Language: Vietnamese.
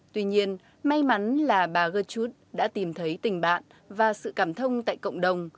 tuy nhiên may mắn là bà gertrude đã tìm thấy tình bạn và sự cảm thông tại cộng đồng